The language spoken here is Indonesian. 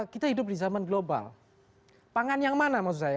kita hidup di zaman global pangan yang mana maksud saya